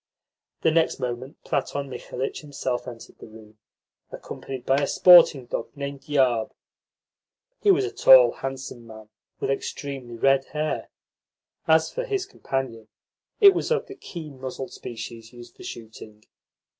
The next moment Platon Mikhalitch himself entered the room, accompanied by a sporting dog named Yarb. He was a tall, handsome man, with extremely red hair. As for his companion, it was of the keen muzzled species used for shooting.